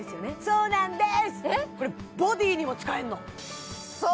そうなんです